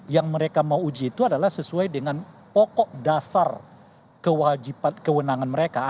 yang mereka mau uji itu adalah sesuai dengan pokok dasar kewajiban kewenangan mereka